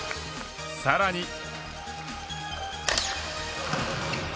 さらに。